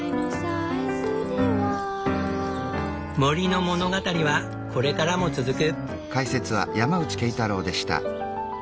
森の物語はこれからも続く。